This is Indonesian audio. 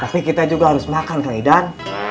tapi kita juga harus makan kak idan